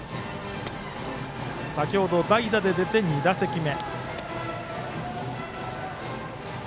先程代打で出て、２打席目。